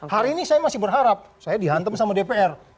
hari ini saya masih berharap saya dihantam sama dpr